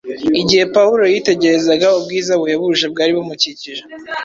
Igihe Pawulo yitegerezaga ubwiza buhebuje bwari bumukikije